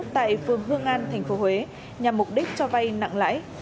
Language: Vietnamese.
tại phường hương an thành phố huế nhằm mục đích cho vay nặng lãi